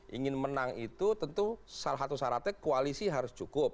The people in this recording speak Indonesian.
ingin menang itu tentu salah satu syaratnya koalisi harus cukup